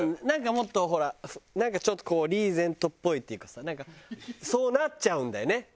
なんかもっとほらなんかちょっとこうリーゼントっぽいっていうかさなんかそうなっちゃうんだよね。